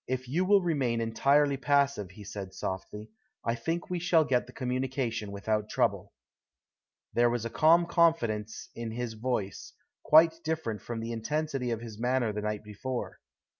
"If you will remain entirely passive," he said softly, "I think we shall get the communication without trouble." There was a calm confidence in his voice, quite different from the intensity of his manner the night before.